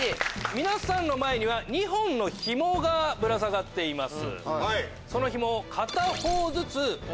皆さんの前には２本のヒモがぶら下がっています。